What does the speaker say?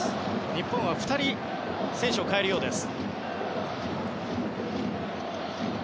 日本は２人選手を代えるようです。